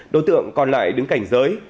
đối tượng còn lại đứng cảnh giới